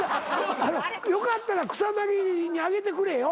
よかったら草薙にあげてくれよ。